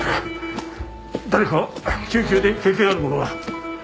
誰か救急で経験ある者は？